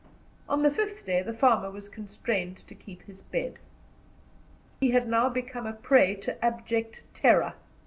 On the fifth day the farmer was constrained to keep his bed. He had now become a prey to abject terror.